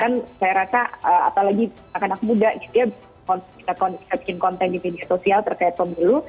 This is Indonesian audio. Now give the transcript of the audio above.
dan saya rasa apalagi anak anak muda gitu ya kita bikin konten di media sosial terkait pemilu